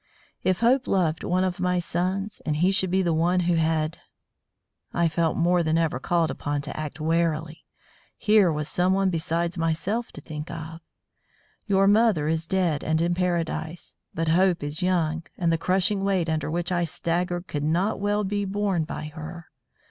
If Hope loved one of my sons, and he should be the one who had I felt more than ever called upon to act warily. Here was someone besides myself to think of. Your mother is dead and in Paradise, but Hope is young and the crushing weight under which I staggered could not well be borne by her.